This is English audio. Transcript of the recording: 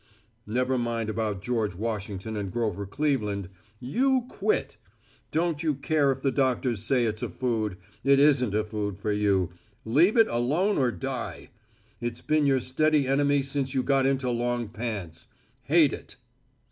Never mind about George Washington and Grover Cleveland. You quit. Don't you care if the doctors say it's a food. It isn't a food for you. Leave it alone or die. It's been your steady enemy since you got into long pants. Hate it."